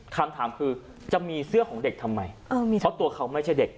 คำถามคือจะมีเสื้อของเด็กทำไมเพราะตัวเขาไม่ใช่เด็ก